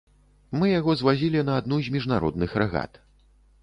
Мы яго звазілі на адну з міжнародных рэгат.